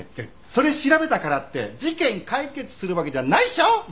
それ調べたからって事件解決するわけじゃないっしょ！？